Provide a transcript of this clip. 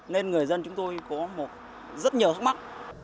nên người dân chúng tôi có rất nhiều thắc mắc